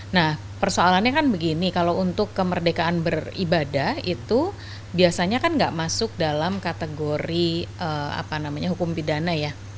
nah persoalannya kan begini kalau untuk kemerdekaan beribadah itu biasanya kan nggak masuk dalam kategori hukum pidana ya